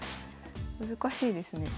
難しいですね。